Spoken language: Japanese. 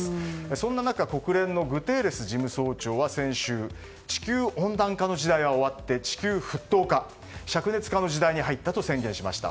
そんな中国連のグテーレス事務総長は先週地球温暖化の時代は終わって地球沸騰化、灼熱化の時代に入ったと宣言しました。